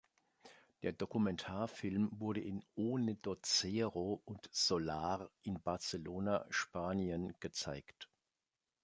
Der Dokumentarfilm wurde in „Onedotzero“ und „Solar“ in Barcelona, Spanien, gezeigt.